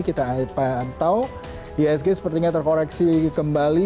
kita pantau ihsg sepertinya terkoreksi kembali